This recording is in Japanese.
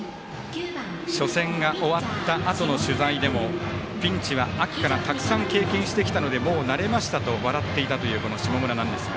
初戦が終わったあとの取材でもピンチは秋からたくさん経験してきたので慣れましたと笑っていたという下村なんですが。